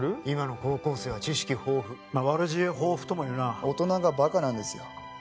今の高校生は知識豊富悪知恵豊富とも言うな大人がバカなんですよ